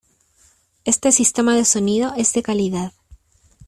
Este sistema de sonido es de calidad.